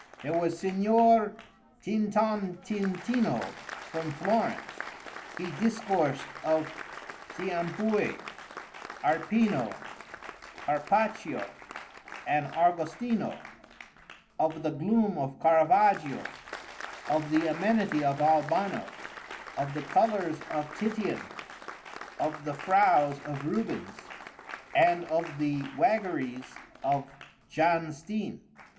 There was Signor Tintontintino from Florence. He discoursed of Cimabué, Arpino, Carpaccio, and Argostino—of the gloom of Caravaggio, of the amenity of Albano, of the colors of Titian, of the frows of Rubens, and of the waggeries of Jan Steen.